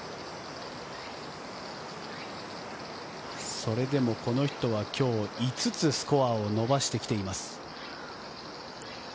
それでもこの人は今日、５つスコアを伸ばしてきています。